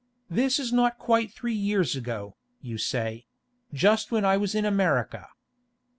'This was not quite three years ago, you say; just when I was in America.